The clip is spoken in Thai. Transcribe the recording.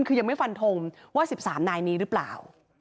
คือยังไม่ฟันทงว่า๑๓นายนี้หรือเปล่า